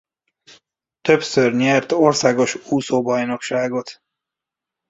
Többször nyert országos úszóbajnokságot.